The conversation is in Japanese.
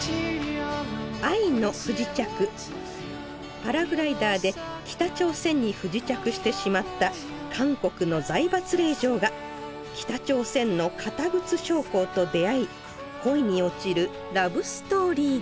パラグライダーで北朝鮮に不時着してしまった韓国の財閥令嬢が北朝鮮の堅物将校と出会い恋に落ちるラブストーリーです